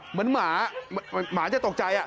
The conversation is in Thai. เหมือนหมาหมาจะตกใจ